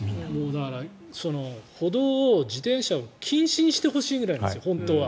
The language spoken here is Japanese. だから歩道を自転車は禁止にしてほしいぐらいです本当は。